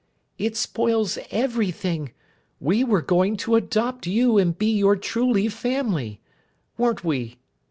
"It spoils everything! We were going to adopt you and be your truly family. Weren't we?"